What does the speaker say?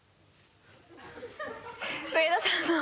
上田さんの。